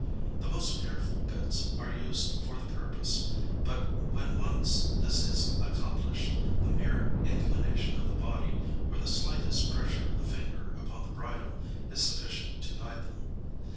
The most fearful bits are used for the purpose; but when once this is accomplished, the mere inclination of the body, or the slightest pressure of the finger upon the bridle, is sufficient to guide them.